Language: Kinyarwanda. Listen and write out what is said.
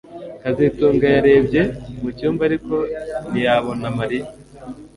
kazitunga yarebye mu cyumba ariko ntiyabona Mariya